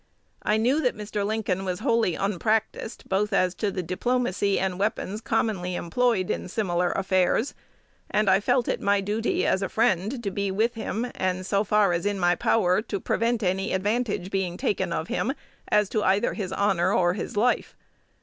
I knew that Mr. Lincoln was wholly unpractised both as to the diplomacy and weapons commonly employed in similar affairs; and I felt it my duty, as a friend, to be with him, and, so far as in my power, to prevent any advantage being taken of him as to either his honor or his life.